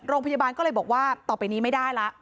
โรงพยาบาลก็เลยบอกว่าต่อไปนี้ไม่ได้แล้ว